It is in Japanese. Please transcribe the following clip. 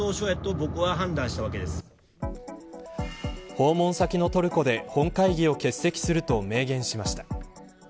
訪問先のトルコで本会議を欠席すると明言しました。